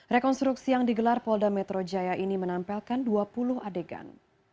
rekonstruksi yang digelar polda metro jaya ini menempelkan dua puluh adegan